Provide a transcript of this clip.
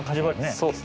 そうです。